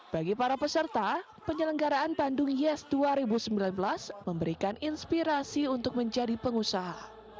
bagi para peserta penyelenggaraan bandung yes dua ribu sembilan belas memberikan inspirasi untuk menjadi pengusaha